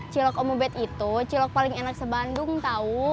cilok omobet itu cilok paling enak sebandung tau